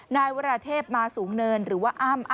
นายวราเทพมาสูงเนินหรือว่าอ้ำ